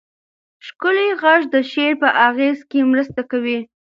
ښکلی غږ د شعر په اغېز کې مرسته کوي.